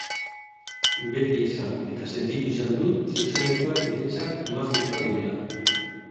Beti esan eta sentitu izan dut zuzenekoak niretzat magikoak direla.